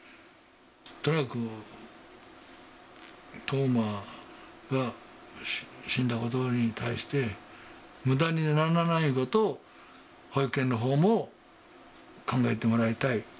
とにかく冬生が死んだことに対して、むだにならないことを、保育園のほうも考えてもらいたい。